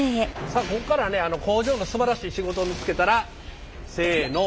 さあここからはね工場のすばらしい仕事を見つけたらせの。